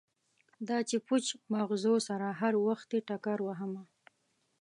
دا چې پوچ مغزو سره هروختې ټکر کومه